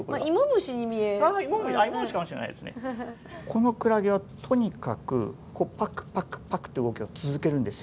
このクラゲはとにかくパクパクパクって動きを続けるんですよ。